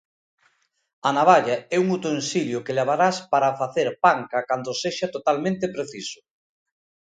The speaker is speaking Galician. A navalla é un utensilio que levarás para facer panca cando sexa totalmente preciso.